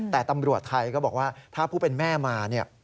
แต่ตำรวจไทยก็บอกว่าถ้าผู้เป็นแม่มาเนี่ย